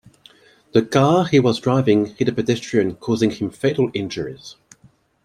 The car he was driving hit a pedestrian causing him fatal injuries.